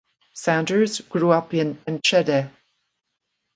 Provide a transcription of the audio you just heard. Sanders grew up in Enschede.